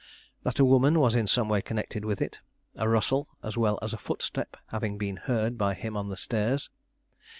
That a woman was in some way connected with it, a rustle as well as a footstep having been heard by him on the stairs.